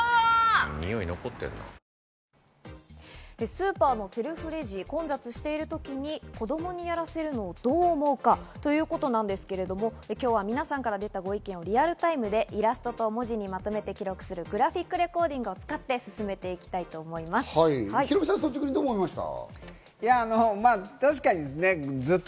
スーパーのセルフレジ、混雑している時に子供にやらせるのをどう思うかということですけれど、今日は皆さんから出たご意見をリアルタイムでイラストと文字にまとめて記録するグラフィックレコーディングを使って進めていきまヒロミさん、どう思いました？